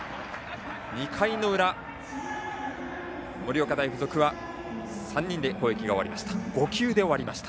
２回裏、盛岡大付属は３人で攻撃が終わりました。